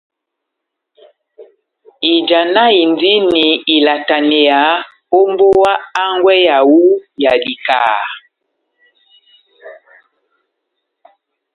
Ijanahindini ilataneya ó mbówa hángwɛ wawu wa dikaha.